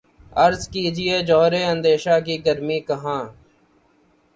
عرض کیجے جوہر اندیشہ کی گرمی کہاں